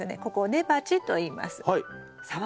ここを根鉢といいます。